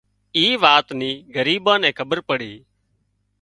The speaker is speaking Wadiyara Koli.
اي وات نِي ڳريٻان نين کٻير پڙي